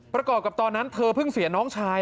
ประกอบกับตอนนั้นเธอเพิ่งเสียน้องชาย